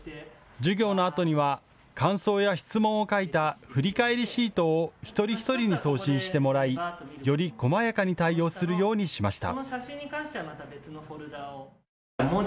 授業のあとには感想や質問を書いた振り返りシートを一人一人に送信してもらい、よりこまやかに対応するようにしました。